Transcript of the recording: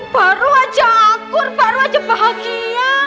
baru aja akur baru aja bahagia